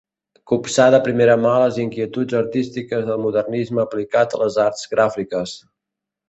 Copsà de primera mà les inquietuds artístiques del modernisme aplicat a les arts gràfiques.